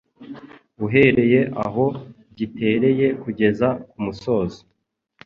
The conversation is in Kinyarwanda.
uhereye aho gitereye kugeza kumusozo